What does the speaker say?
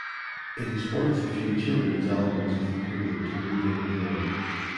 It is one of the few children's albums of the period to remain available.